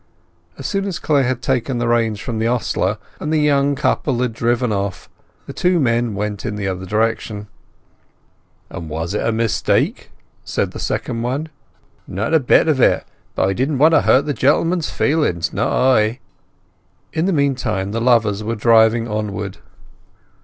As soon as Clare had taken the reins from the ostler, and the young couple had driven off, the two men went in the other direction. "And was it a mistake?" said the second one. "Not a bit of it. But I didn't want to hurt the gentleman's feelings—not I." In the meantime the lovers were driving onward.